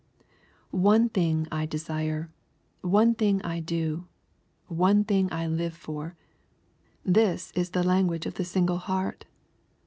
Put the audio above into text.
" One thing I desire, — one thing I do, — one thing I live for :" this is the language of the single heart.